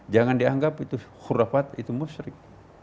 jangan dianggap itu khurafat itu musrik